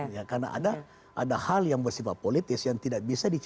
ya karena ada hal yang bersifat politis yang tidak bisa dicari